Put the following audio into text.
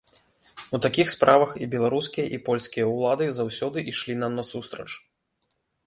У такіх справах і беларускія, і польскія ўлады заўсёды ішлі нам насустрач.